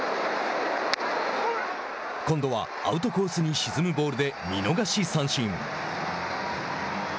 今度はアウトコースに沈むボールで見逃し三振。